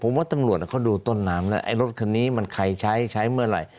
ผมว่าตำรวจเขาดูต้นน้ำแล้วไอ้รถคันนี้มันใครใช้ใช้เมื่อไหร่